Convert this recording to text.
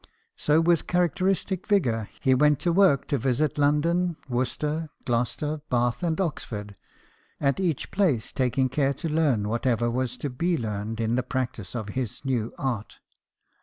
So, v/ith characteristic vigour, he went to work to visit London, Worcester, Gloucester, Bath, and Oxford, at each place taking care to learn whatever was to be learned in the practice of his new art.